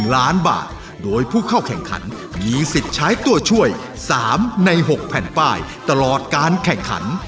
ล้านบาทโดยผู้เข้าแข่งขันมีสิทธิ์ใช้ตัวช่วย๓ใน๖แผ่นป้ายตลอดการแข่งขัน